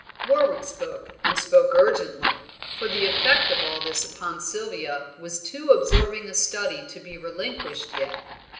Warwick spoke, and spoke urgently, for the effect of all this upon Sylvia was too absorbing a study to be relinquished yet.